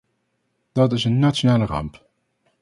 Dat is een nationale ramp.